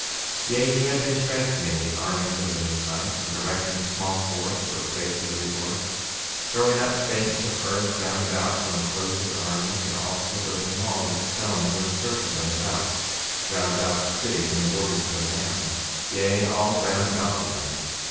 48:8 Yea, he had been strengthening the armies of the Nephites, and erecting small forts, or places of resort; throwing up banks of earth round about to enclose his armies, and also building walls of stone to encircle them about, round about their cities and the borders of their lands; yea, all round about the land.